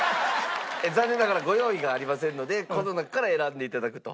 残念ながらご用意がありませんのでこの中から選んでいただくと。